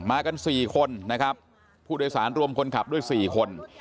มากัน๔คนนะครับผู้โดยสารรวมคนขับด้วย๔คน